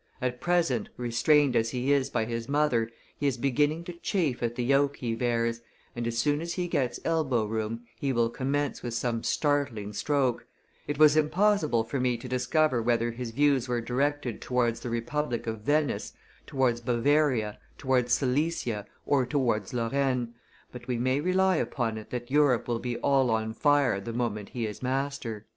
At present, restrained as he is by his mother, he is beginning to chafe at the yoke he bears, and, as soon as he gets elbow room, he will commence with some 'startling stroke; it was impossible for me to discover whether his views were directed towards the republic of Venice, towards Bavaria, towards Silesia, or towards Lorraine; but we may rely upon it that Europe will be all on fire the moment he is master."